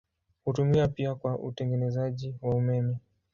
Hutumiwa pia kwa utengenezaji wa umeme.